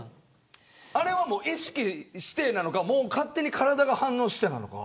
あれは意識してなのか勝手に体が反応してなのか。